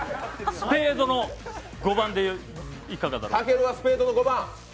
スペードの５番でいかがだろう？